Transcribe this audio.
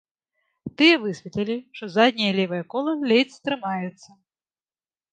Тыя высветлілі, што задняе левае кола ледзь трымаецца.